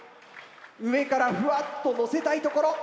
上からふわっとのせたいところ。